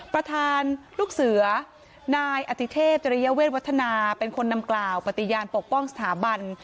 ประธานลูกเสือนายอติเทพริยเวทวัฒนาเป็นคนนำกล่าวปฏิญาณปกป้องสถาบัน